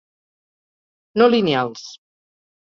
No lineals: